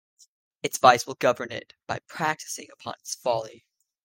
Its vice will govern it, by practising upon its folly.